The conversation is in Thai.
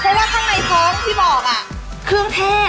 เพราะว่าข้างในท้องที่บอกเครื่องเทศ